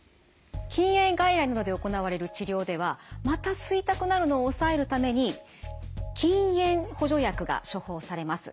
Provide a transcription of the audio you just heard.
禁煙外来などで行われる治療ではまた吸いたくなるのを抑えるために禁煙補助薬が処方されます。